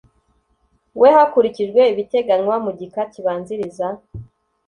we hakurikijwe ibiteganywa mu gika kibanziriza